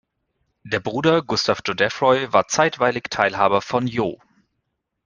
Der Bruder Gustav Godeffroy war zeitweilig Teilhaber von „Joh.